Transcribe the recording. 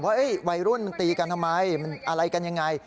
วัยรุ่นมันตีกันทำไมมันอะไรกันยังไง